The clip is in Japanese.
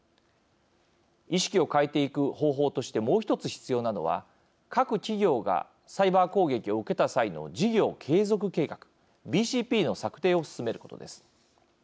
意識を変えていく方法としてもう１つ必要なのは、各企業がサイバー攻撃を受けた際の事業継続計画＝ＢＣＰの策定を進めることです。